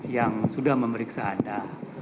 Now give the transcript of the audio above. yang sudah memeriksa anda